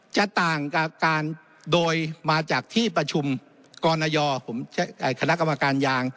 จะต่างกับการโดยมาจากที่ประชุมกรณย